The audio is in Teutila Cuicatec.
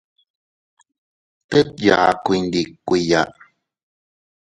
Tet yaku iyndikuiya.